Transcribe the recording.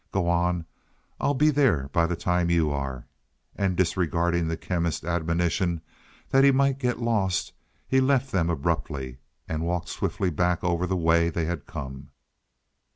"Go on. I'll be there by the time you are," and disregarding the Chemist's admonition that he might get lost he left them abruptly and walked swiftly back over the way they had come.